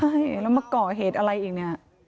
ใช่แล้วมาก่อเหตุอะไรอีกเนี่ย